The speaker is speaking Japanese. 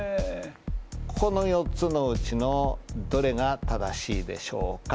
この４つのうちのどれが正しいでしょうか？